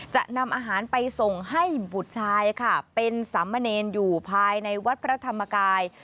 จะนำอาหารไปส่งให้บุตรชายค่ะเป็นสามเณรอยู่ภายในวัดพระธรรมกาย